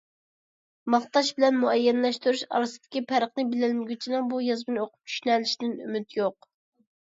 ماختاش بىلەن مۇئەييەنلەشتۈرۈش ئارىسىدىكى پەرقنى بىلەلمىگۈچىنىڭ بۇ يازمىنى ئوقۇپ چۈشىنەلىشىدىن ئۈمىد يوق.